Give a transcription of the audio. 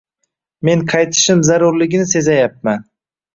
— men qaytishim zarurligini sezayapman.